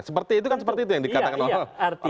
seperti itu kan seperti itu yang dikatakan orang partai